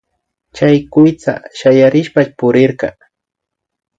Chay kuytsa shayarishpa purirka